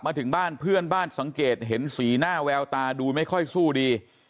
มาถึงบ้านเพื่อนบ้านสังเกตเห็นสีหน้าแววตาดูไม่ค่อยสู้ดี